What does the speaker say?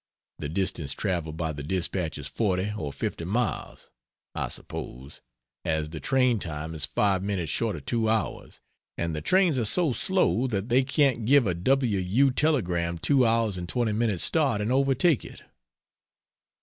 The distance traveled by the dispatch is forty or fifty miles, I suppose, as the train time is five minutes short of two hours, and the trains are so slow that they can't give a W. U. telegram two hours and twenty minutes start and overtake it.